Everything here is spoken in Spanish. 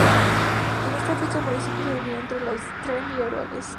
En esta fecha el municipio se dividió entre los de Tremp y Eroles.